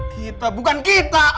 kita bukan kita